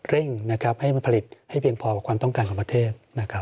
เร่งให้มันผลิตให้เพียงพอกับความต้องการของประเทศนะครับ